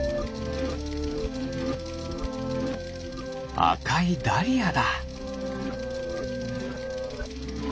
あかいダリアだ。